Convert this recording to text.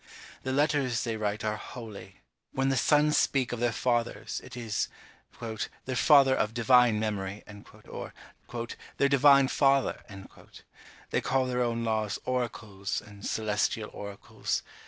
The letters they write are holy. When the sons speak of their fathers, it is, "Their father of divine memory;" or "Their divine father." They call their own laws oracles, and celestial oracles.